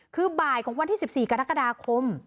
คือบ่ายของวันที่สิบสี่กรกฎาคม